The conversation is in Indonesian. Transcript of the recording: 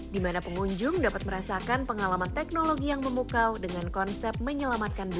di mana pengunjung dapat merasakan pengalaman teknologi yang memukau dengan konsep menyelamatkan diri